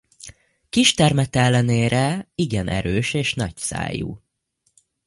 Kis termete ellenére igen erős és nagyszájú.